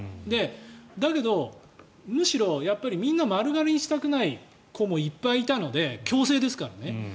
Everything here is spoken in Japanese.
だけど、むしろやっぱりみんな丸刈りにしたくない子もいっぱいいたので強制ですからね。